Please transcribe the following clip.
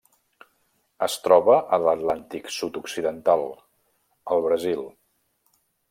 Es troba a l'Atlàntic sud-occidental: el Brasil.